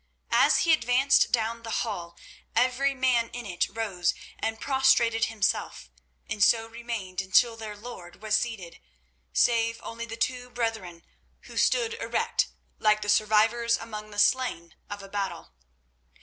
As he advanced down the hall every man in it rose and prostrated himself, and so remained until their lord was seated, save only the two brethren, who stood erect like the survivors among the slain of a battle.